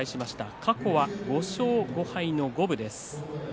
過去は５勝５敗の五分です。